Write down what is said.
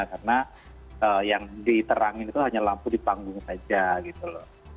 karena yang diterangin itu hanya lampu di panggung saja gitu loh